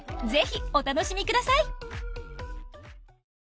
ぜひお楽しみください。